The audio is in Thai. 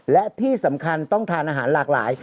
และที่สำคัญต้องทานอาหารหลากหลาย